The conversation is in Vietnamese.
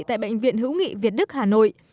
tại bệnh viện hữu nghị việt đức hà nội